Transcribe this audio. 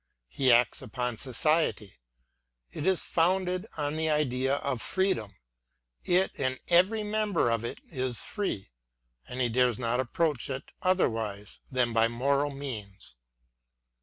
He acts upon society; — it is founded on the idea of freedom : it and every member of it is free; — and he dares not approach it otherwise than by moral means.